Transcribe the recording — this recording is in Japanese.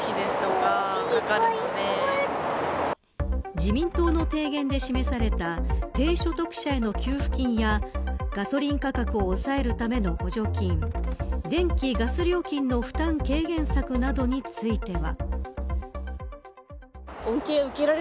自民党の提言で示された低所得者への給付金やガソリン価格を抑えるための補助金電気・ガス料金の負担軽減策などについては。